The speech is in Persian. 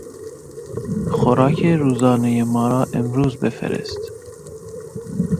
خوراک روزانهی ما را امروز بفرست.